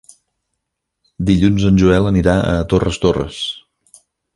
Dilluns en Joel anirà a Torres Torres.